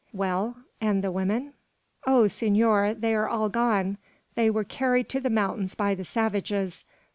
"Well, and the women?" "Oh, senor! they are all gone; they were carried to the mountains by the savages.